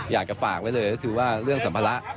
อยากจะฝากไว้เลยก็คือว่าเรื่องสัมภาระ